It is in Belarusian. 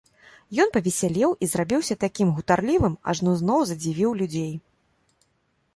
Ён павесялеў і зрабіўся такім гутарлівым, ажно зноў задзівіў людзей.